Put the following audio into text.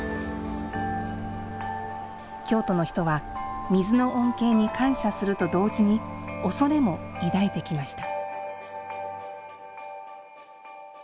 京都の人は水の恩恵に感謝すると同時に畏れも抱いてきました。